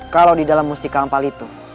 kalau di dalam mustika ampal itu